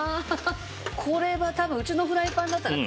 これは多分うちのフライパンだったらくっつきますね。